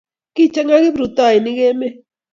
Kichanga kiburtoinik emet